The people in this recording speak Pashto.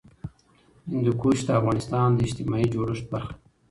هندوکش د افغانستان د اجتماعي جوړښت برخه ده.